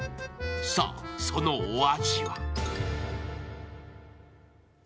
さあ、そのお味は？